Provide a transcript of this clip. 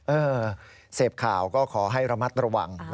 เออเสพข่าวก็ขอให้ระมัดระวัง